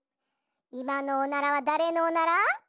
いまのおならはだれのおなら？